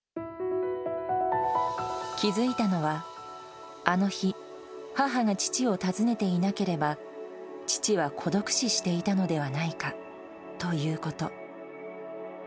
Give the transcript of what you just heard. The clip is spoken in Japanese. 気付いたのは、あの日、母が父を訪ねていなければ、父は孤独死していたのではないかということ。